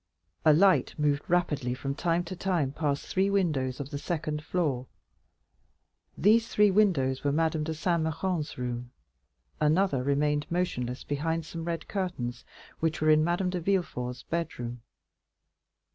A light moved rapidly from time to time past three windows of the second floor. These three windows were in Madame de Saint Méran's room. Another remained motionless behind some red curtains which were in Madame de Villefort's bedroom.